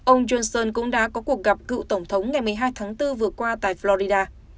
ông johnson cũng đã có cuộc gặp cựu tổng thống ngày một mươi hai tháng bốn vừa qua tại florida